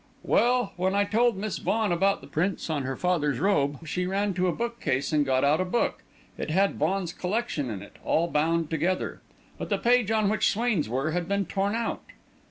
"Well, when I told Miss Vaughan about the prints on her father's robe, she ran to a book case and got out a book. It had Vaughan's collection in it, all bound together. But the page on which Swain's were had been torn out."